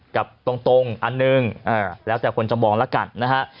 กับตรงอันหนึ่งแล้วแต่คนจะมองแล้วกันนะฮะ